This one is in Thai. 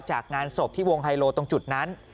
จากงานศพที่วงไฮโลตรงจุดนั้น